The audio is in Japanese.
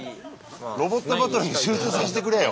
ロボットバトルに集中させてくれよ。